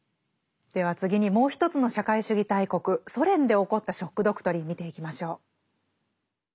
では次にもう一つの社会主義大国ソ連で起こった「ショック・ドクトリン」見ていきましょう。